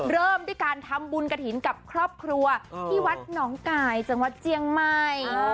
เริ่มด้วยการทำบุญกระถิ่นกับครอบครัวที่วัดหนองกายจังหวัดเจียงใหม่